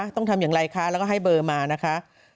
ต้องทำอย่างไรคะแล้วก็ให้เบอร์มานะคะ